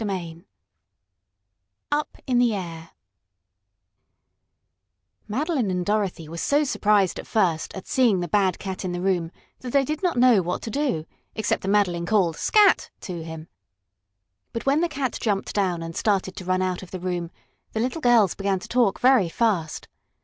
CHAPTER IV UP IN THE AIR Madeline and Dorothy were so surprised at first at seeing the bad cat in the room that they did not know what to do, except that Madeline called "Scat!" to him. But when the cat jumped down and started to run out of the room, the little girls began to talk very fast.